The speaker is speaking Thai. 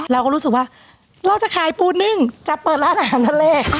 เราก็รู้สึกว่าเราจะขายปูนึ่งจะเปิดร้านอาหารทะเล